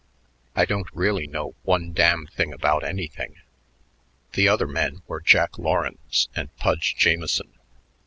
I don't really know one damn thing about anything." The other men were Jack Lawrence and Pudge Jamieson.